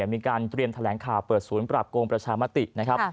มีการเตรียมแถลงข่าวเปิดศูนย์ปราบโกงประชามตินะครับ